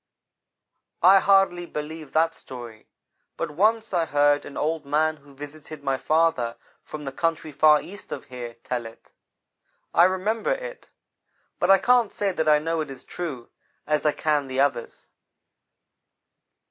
"I hardly believe that story, but once I heard an old man who visited my father from the country far east of here, tell it. I remembered it. But I can't say that I know it is true, as I can the others.